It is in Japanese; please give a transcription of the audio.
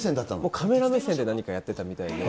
カメラ目線で何かやってたみたいで。